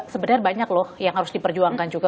sebenarnya banyak loh yang harus diperjuangkan juga